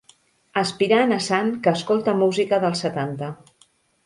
Aspirant a sant que escolta música dels setanta.